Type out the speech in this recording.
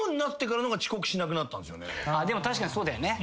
でも確かにそうだよね。